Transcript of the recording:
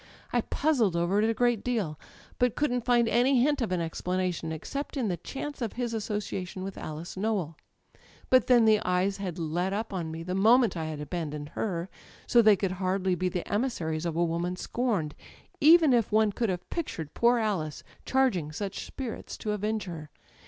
I puzzled over it a good deal, but couldn't find any hint of an explanation except in the chance of his association with Alice Nowell. But then the eyes had let up on me the moment I had abandoned her, so they could hardly be the emissaries of a woman scorned, even if one could have pictured poor Alice charging such spirits to avenge her.